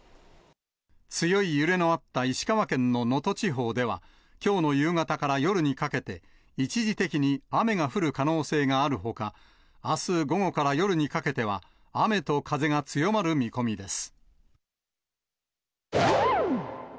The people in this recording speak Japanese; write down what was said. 強い揺れのあった石川県の能登地方では、きょうの夕方から夜にかけて、一時的に雨が降る可能性があるほか、あす午後から夜にかけては、雨と風が強まる見込みです。